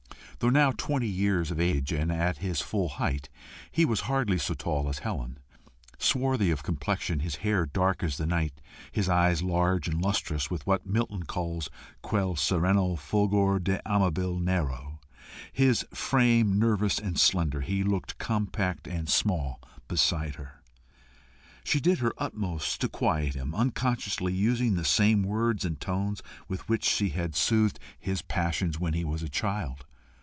Though now twenty years of age, and at his full height, he was hardly so tall as Helen. Swarthy of complexion, his hair dark as the night, his eyes large and lustrous, with what Milton calls "quel sereno fulgor d' amabil nero," his frame nervous and slender, he looked compact and small beside her. She did her utmost to quiet him, unconsciously using the same words and tones with which she had soothed his passions when he was a child.